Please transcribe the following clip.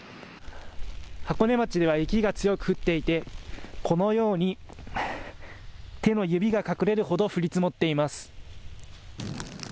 箱根町では雪が強く降っていてこのように手の指が隠れるほど降り積もっています。